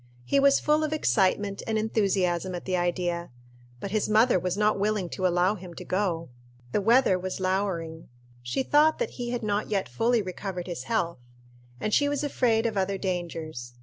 He was full of excitement and enthusiasm at the idea. But his mother was not willing to allow him to go. The weather was lowering. She thought that he had not yet fully recovered his health; and she was afraid of other dangers.